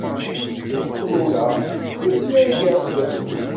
Takrura d tussna igerrzen.